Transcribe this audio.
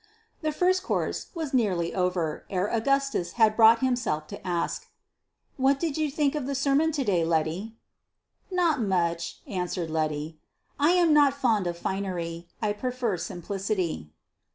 The first course was nearly over ere Augustus had brought himself to ask "What did you think of the sermon to day, Letty?" "Not much," answered Letty. "I am not fond of finery. I prefer simplicity."